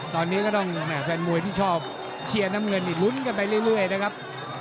ตอนนี้ก็ต้องแฟนมวยที่ชอบเชียร์น้ำเงินนี่ลุ้นกันไปเรื่อยนะครับ